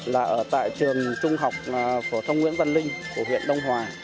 là ở tại trường trung học phổ thông nguyễn văn linh của huyện đông hòa